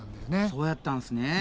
そうやったんすね。